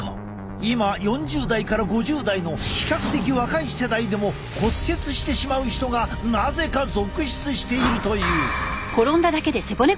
今４０代から５０代の比較的若い世代でも骨折してしまう人がなぜか続出しているという。